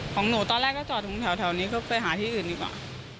ของหนูตอนแรกก็จอดตรงแถวนี้เขาไปหาที่อื่นดีกว่า